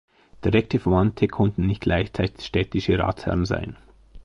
Direkte Verwandte konnten nicht gleichzeitig städtische Ratsherren sein.